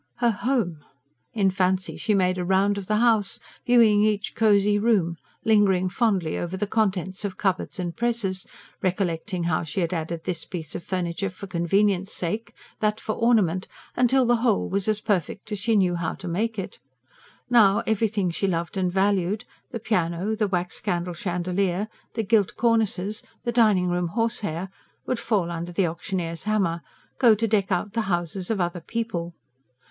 Her home! In fancy she made a round of the house, viewing each cosy room, lingering fondly over the contents of cupboards and presses, recollecting how she had added this piece of furniture for convenience' sake, that for ornament, till the whole was as perfect as she knew how to make it. Now, everything she loved and valued the piano, the wax candle chandelier, the gilt cornices, the dining room horsehair would fall under the auctioneer's hammer, go to deck out the houses of other people.